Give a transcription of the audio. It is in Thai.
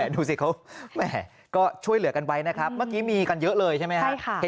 ดูสิเขาก็ช่วยเหลือกันไว้นะครับเมื่อกี้มีกันเยอะเลยใช่ไหมครับ